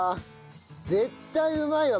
絶対うまいわ。